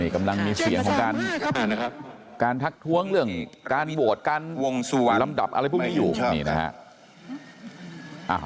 กำลังมีเสียงของการทักท้วงเรื่องการโหวตการวงส่วนลำดับอะไรพวกนี้อยู่นี่นะฮะ